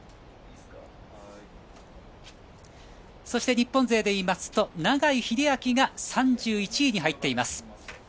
そして日本勢でいいますと永井秀昭が３１位に入っています。